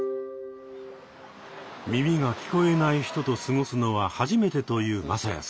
耳が聞こえない人と過ごすのは初めてという匡哉さん。